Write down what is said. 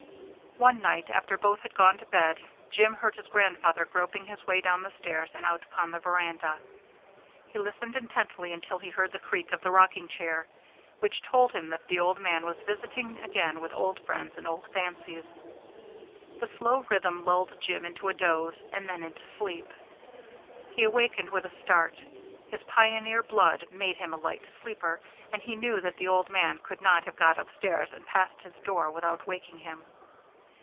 One night after both had gone to bed Jim heard his grandfather groping his way down the stairs and out upon the veranda. He listened intently until he heard the creak of the rocking chair, which told him that the old man was visiting again with old friends and old fancies. The slow rhythm lulled Jim into a doze, and then into sleep. He awakened with a start; his pioneer blood made him a light sleeper, and he knew that the old man could not have got upstairs and past his door without waking him.